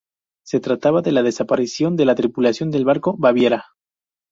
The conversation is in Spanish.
Se trataba de la desaparición de la tripulación del barco "Baviera".